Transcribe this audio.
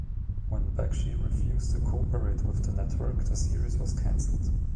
When Bakshi refused to cooperate with the network, the series was cancelled.